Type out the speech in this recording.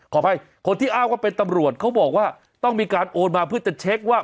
ขออภัยคนที่อ้างว่าเป็นตำรวจเขาบอกว่าต้องมีการโอนมาเพื่อจะเช็คว่า